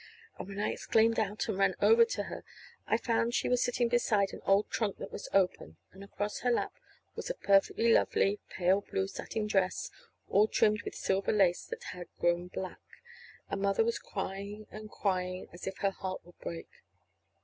And when I exclaimed out and ran over to her, I found she was sitting beside an old trunk that was open; and across her lap was a perfectly lovely pale blue satin dress all trimmed with silver lace that had grown black. And Mother was crying and crying as if her heart would break.